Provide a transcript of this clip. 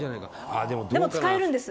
「でも、使えるんです！